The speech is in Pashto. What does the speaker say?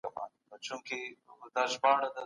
نړيوال سياست د کورني سياست په پرتله پراخ دی.